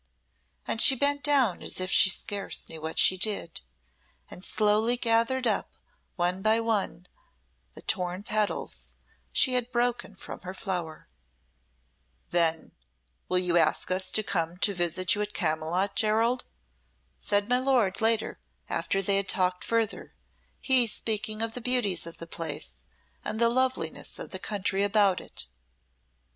And she bent down as if she scarce knew what she did, and slowly gathered up one by one the torn petals she had broken from her flower. "Then you will ask us to come to visit you at Camylott, Gerald?" said my lord later after they had talked further, he speaking of the beauties of the place and the loveliness of the country about it.